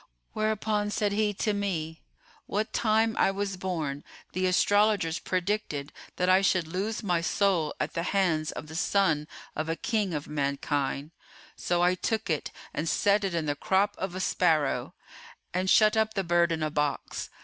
Whereupon said he to me, 'What time I was born, the astrologers predicted that I should lose my soul at the hands of the son of a king of mankind. So I took it and set it in the crop of a sparrow, and shut up the bird in a box.